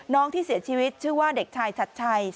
ที่เสียชีวิตชื่อว่าเด็กชายชัดชัย